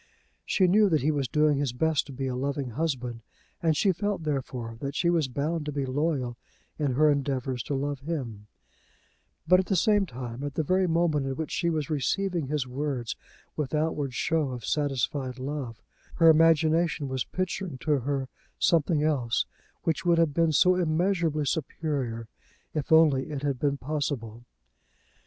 She knew that he was doing his best to be a loving husband, and she felt, therefore, that she was bound to be loyal in her endeavours to love him; but at the same time, at the very moment in which she was receiving his words with outward show of satisfied love, her imagination was picturing to her something else which would have been so immeasurably superior, if only it had been possible.